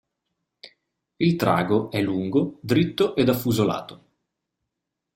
Il trago è lungo, dritto ed affusolato.